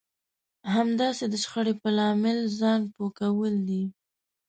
همداسې د شخړې په لامل ځان پوه کول دي.